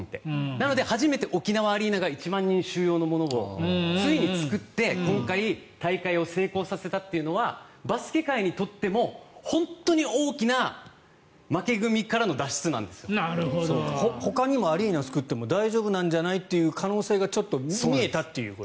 なので、初めて沖縄アリーナが１万人収容のものをついに作って今回ついに大会を成功させたというのはバスケ界にとっても本当に大きなほかにもアリーナ作っても大丈夫なんじゃない？という可能性がちょっと見えたと。